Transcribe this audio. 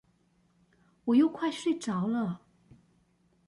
我又快睡著了